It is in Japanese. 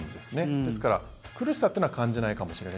ですから苦しさというのは感じないかもしれない。